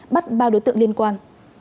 bắt ba đối tượng liên quan